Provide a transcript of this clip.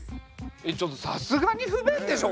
えちょっとさすがに不便でしょこれ。